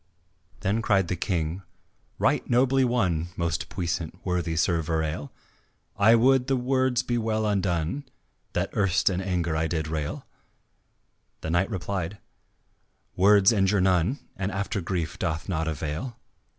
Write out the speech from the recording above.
Then cried the King: "Right nobly won, Most puissant, worthy Sir Verale, I would the words were well undone That erst in anger I did rail." The knight replied, "Words injure none, And after grief doth not avail.